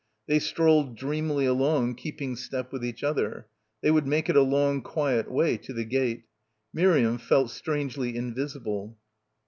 They strolled dreamily along keeping step with each other. They would make it a long quiet way to the gate. Miriam felt strangely invisible.